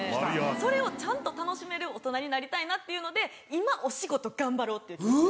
それをちゃんと楽しめる大人になりたいなっていうので今お仕事頑張ろうっていう気持ちです。